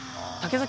竹崎